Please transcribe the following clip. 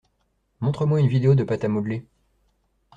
Montre moi une vidéo de pâte à modeler